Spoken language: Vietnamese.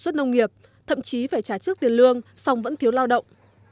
tàu sản xuất nông nghiệp thậm chí phải trả trước tiền lương xong vẫn thiếu lao động